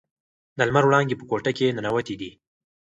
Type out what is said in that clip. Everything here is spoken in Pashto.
د لمر وړانګې په کوټه کې ننووتې دي.